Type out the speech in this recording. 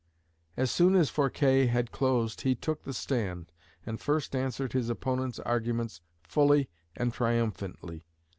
As soon as Forquer had closed he took the stand and first answered his opponent's arguments fully and triumphantly.